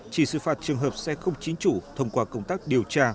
chỉ xử phạt trường hợp xe không chính chủ thông qua công tác điều tra